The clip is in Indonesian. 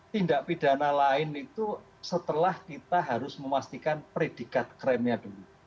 tindak pidana lain itu setelah kita harus memastikan predikat kremnya dulu